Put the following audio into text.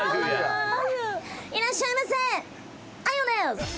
いらっしゃいませ。